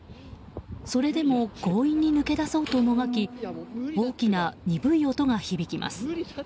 それでも強引に抜け出そうともがき大きな鈍い音が響きます。